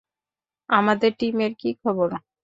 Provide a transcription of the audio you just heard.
আমাদের টিমের কী খবর?